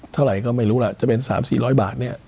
เท่าไหร่ก็ไม่รู้ล่ะจะเป็น๓๔๐๐บาทเนี่ย